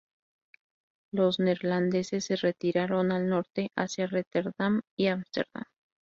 Los neerlandeses se retiraron al norte hacia Róterdam y Ámsterdam.